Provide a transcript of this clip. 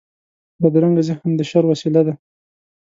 بدرنګه ذهن د شر وسيله ده